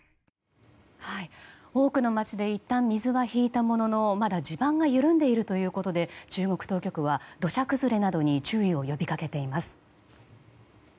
多くの町でいったん水が引いたもののまだ地盤が緩んでいるということで中国当局は土砂崩れなどに注意を呼びかけています。